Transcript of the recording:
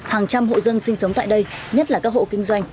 hàng trăm hộ dân sinh sống tại đây nhất là các hộ kinh doanh